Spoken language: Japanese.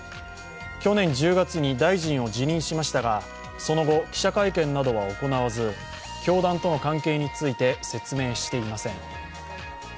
去年１０月に大臣を辞任しましたが、その後、記者会見などは行わず、教団との関係について説明していません。